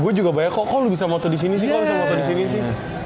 gue juga banyak kok lo bisa moto disini sih kok bisa moto disini sih